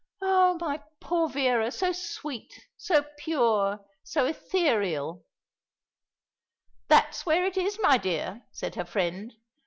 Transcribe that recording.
"Oh, my poor Vera, so sweet, so pure, so ethereal." "That's where it is, my dear," said her friend.